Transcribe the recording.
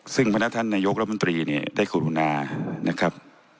ซึ่งพนักท่านนายกรัฐมนตรีเนี่ยได้กรุณานะครับ